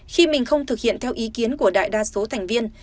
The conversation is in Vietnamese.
khi mình không thực hiện theo ý kiến của đại đa số thành viên